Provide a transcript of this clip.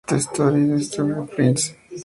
The Story of Freddie Prinze".